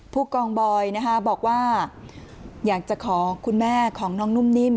ผู้กองบอยบอกว่าอยากจะขอคุณแม่ของน้องนุ่มนิ่ม